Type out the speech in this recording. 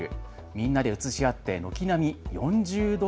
みんなでうつし合って軒並み４０度